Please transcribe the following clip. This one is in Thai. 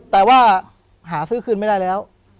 แต่ว่าหาซื้อคืนไม่ได้แล้ว